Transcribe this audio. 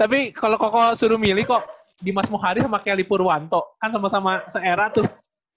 tapi kalo koko suruh milih kok dimas muharif sama kelly purwanto kan sama sama se era tuh